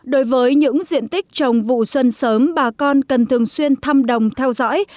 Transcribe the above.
đối với những diện tích trồng vụ xuân sớm bà con cần thường xuyên thăm đồng theo dõi